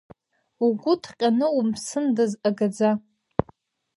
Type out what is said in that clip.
Угәы ҭҟьаны умԥсындаз агаӡа.